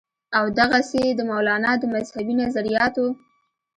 او دغسې د مولانا د مذهبي نظرياتو